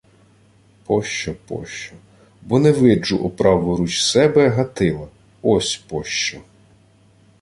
— Пощо, пощо... Бо не виджу о праву руч себе Гатила! Ось пощо!